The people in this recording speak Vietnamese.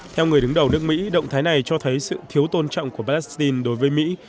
theo người đứng đầu nước mỹ động thái này cho thấy sự thiếu tôn trọng của palestine đối với mỹ